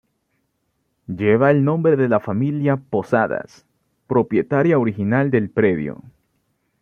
Lleva el nombre de la familia Posadas, propietaria original del predio.